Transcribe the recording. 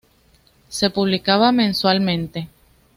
Se publicaba mensualmente.